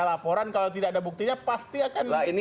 ya laporan kalau tidak ada buktinya pasti akan